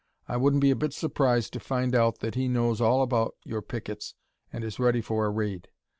I wouldn't be a bit surprised to find out that he knows all about your pickets and is ready for a raid."